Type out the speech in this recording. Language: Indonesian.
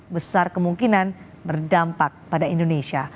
besar kemungkinan berdampak pada indonesia